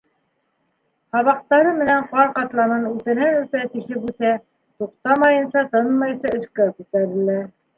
Һабаҡтары менән ҡар ҡатламын үтәнән-үтә тишеп үтә, туҡтамайынса, тынмайса, өҫкә күтәрелә.